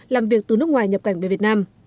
làm việc từ nước ngoài nhập cảnh về việt nam